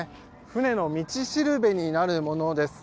船の道しるべになるものです。